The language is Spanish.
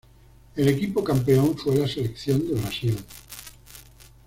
El equipo campeón fue la selección de Brasil.